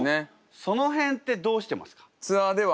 その辺ってどうしてますか？